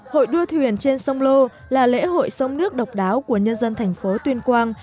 hội đua thuyền trên sông lô là lễ hội sông nước độc đáo của nhân dân thành phố tuyên quang